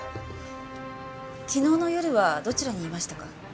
昨日の夜はどちらにいましたか？